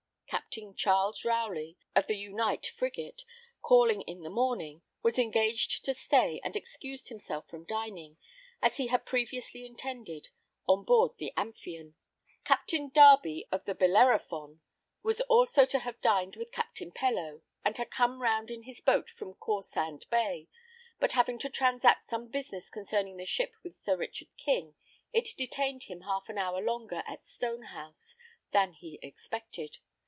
Captain Charles Rowley, of the Unite frigate, calling in the morning, was engaged to stay, and excused himself from dining, as he had previously intended, on board the Amphion. Captain Darby of the Bellerophon, was also to have dined with Captain Pellow, and had come round in his boat from Cawsand Bay; but having to transact some business concerning the ship with Sir Richard King, it detained him half an hour longer at Stone house than he expected.